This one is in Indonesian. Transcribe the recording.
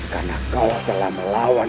karena kau telah melawan